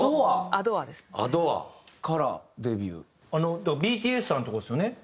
だからＢＴＳさんのとこですよね？